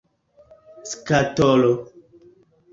skatolo